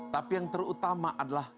tapi yang terutama adalah